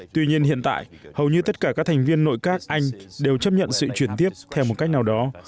tuy nhiên hiện tại hầu như tất cả các thành viên nội các anh đều chấp nhận sự chuyển tiếp theo một cách nào đó